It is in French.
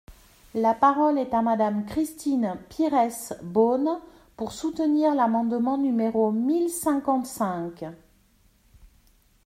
La parole est à Madame Christine Pires Beaune, pour soutenir l’amendement numéro mille cinquante-cinq.